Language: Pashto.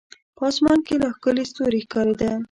په اسمان کې لا ښکلي ستوري ښکارېده.